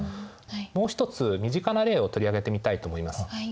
もう一つ身近な例を取り上げてみたいと思います。